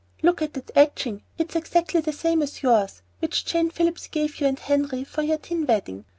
look at that etching! It's exactly the same as yours, which Jane Phillips gave you and Henry for your tin wedding.